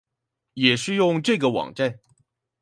也是用這個網站